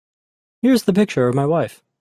Here's the picture of my wife.